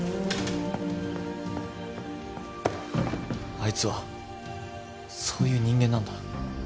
あいつはそういう人間なんだ。